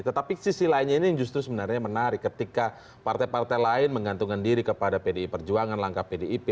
tetapi sisi lainnya ini yang justru sebenarnya menarik ketika partai partai lain menggantungkan diri kepada pdi perjuangan langkah pdip